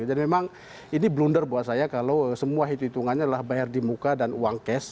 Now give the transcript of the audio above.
jadi memang ini blunder buat saya kalau semua hitungannya adalah bayar di muka dan uang cash